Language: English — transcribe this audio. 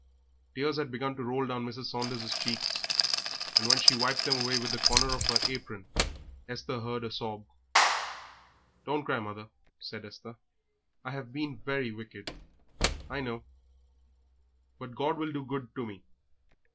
Tears had begun to roll down Mrs. Saunders' cheeks, and when she wiped them away with the corner of her apron, Esther heard a sob. "Don't cry, mother," said Esther. "I have been very wicked, I know, but God will be good to me.